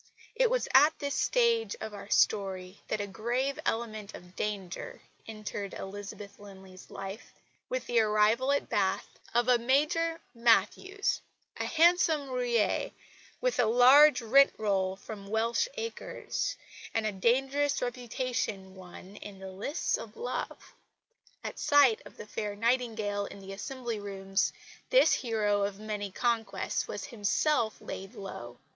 It was at this stage of our story that a grave element of danger entered Elizabeth Linley's life, with the arrival at Bath of a Major Matthews, a handsome roué, with a large rent roll from Welsh acres, and a dangerous reputation won in the lists of love. At sight of the fair Nightingale in the Assembly Rooms this hero of many conquests was himself laid low.